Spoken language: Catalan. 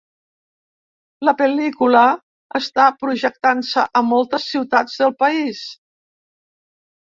La pel·lícula està projectant-se a moltes ciutats del país.